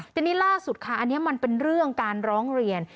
ทีนี้ล่าสุดค่ะอันนี้มันเป็นเรื่องการร้องเรียน